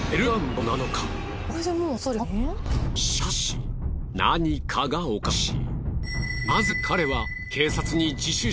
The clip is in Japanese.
しかし何かがおかしい。